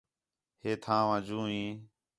ہے تھاں وا جوں ہی